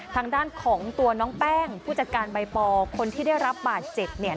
ทางด้านของตัวน้องแป้งผู้จัดการใบปอคนที่ได้รับบาดเจ็บเนี่ย